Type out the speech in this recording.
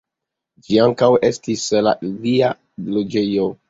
Ĝi ankaŭ estis lia loĝejo.